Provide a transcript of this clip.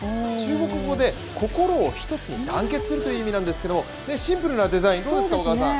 中国語で「心を一つに団結する」という意味なんですけれども、シンプルなデザイン、どうですか。